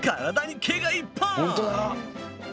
本当だ。